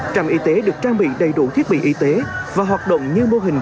trạm y tế được trang bị đầy đủ thiết bị y tế và hoạt động như mô hình